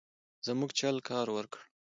زموږ چل کار ورکړ.